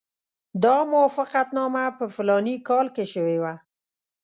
دا موافقتنامه په فلاني کال کې شوې وه.